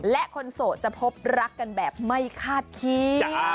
และคนโสดจะพบรักกันแบบไม่คาดคิด